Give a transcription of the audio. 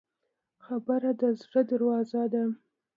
خبره د زړه دروازه ده.